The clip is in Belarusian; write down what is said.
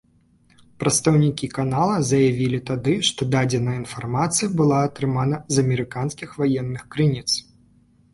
Прадстаўнікі канала заявілі тады, што дадзеная інфармацыя была атрымана з амерыканскіх ваенных крыніц.